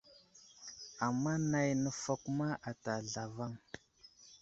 Ama nay nəfakuma ata zlavaŋ.